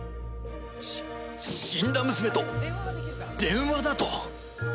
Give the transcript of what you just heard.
し死んだ娘と電話だと！？